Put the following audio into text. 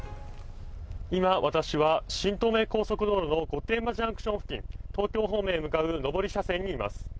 今、私は新東名高速道路の御殿場ジャンクション付近、東京方面に向かう上り車線にいます。